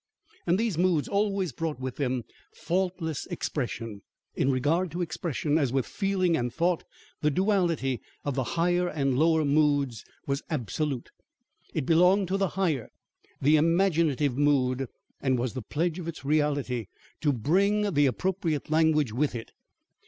And these moods always brought with them faultless expression. In regard to expression, as with feeling and thought, the duality of the higher and lower moods was absolute. It belonged to the higher, the imaginative mood, and was the pledge of its reality, to bring the appropriate language with it.